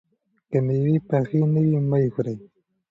که مېوې پخې نه وي، مه یې خورئ.